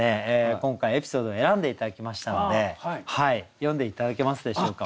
今回エピソードを選んで頂きましたので読んで頂けますでしょうか。